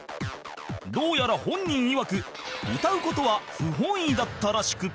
どうやら本人いわく歌う事は不本意だったらしく